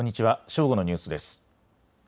正午のニュースです。